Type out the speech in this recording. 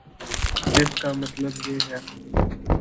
جس کا مطلب یہ ہے۔